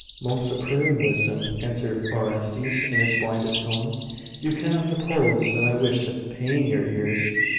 'Most supreme wisdom,' answered Orestes, in his blandest tone, 'you cannot suppose that I wish to pain your ears.